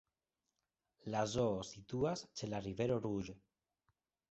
La zoo situas ĉe la Rivero Rouge.